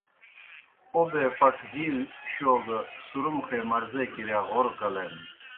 اوْبے پٹھہ ہِی شو گہ سُرُمخےمرضے کِرِیا غورہ کلینَن۔